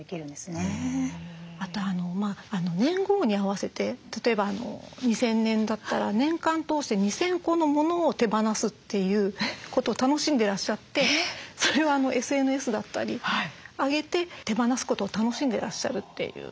あと年号に合わせて例えば２０００年だったら年間通して２，０００個の物を手放すということを楽しんでいらっしゃってそれをＳＮＳだったり上げて手放すことを楽しんでいらっしゃるっていう。